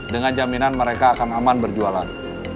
dengan jaminan mereka akan aman berjualan